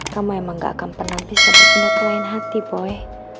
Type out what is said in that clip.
kamu emang ga akan pernah bisa bercinta kelain hati boy